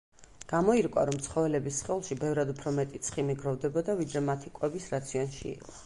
გამოირკვა, რომ ცხოველების სხეულში ბევრად უფრო მეტი ცხიმი გროვდებოდა, ვიდრე მათი კვების რაციონში იყო.